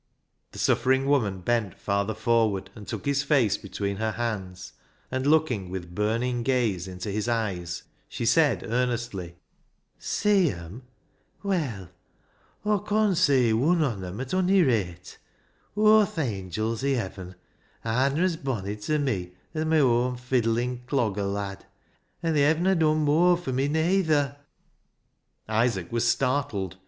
The suffering woman bent farther forward and took his face between her hands, and, 272 BECKSIDE LIGHTS looking with burning gaze into his eyes, she said earnestly —" See 'em ! Well, Aw con see wu7i on 'em at ony rate. Aw th' angils i' heaven arna as bonny ta me as my oan fiddlin' dogger lad ; an' they hevna done mooar fur me, nayther." Isaac was startled.